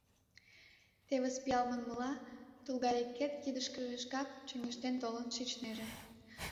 Тевыс, пиал, манмыла, Тулгайыкет, кидышкыже шкак чоҥештен толын шичнеже.